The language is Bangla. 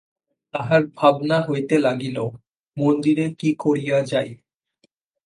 তাঁহার ভাবনা হইতে লাগিল, মন্দিরে কী করিয়া যাই।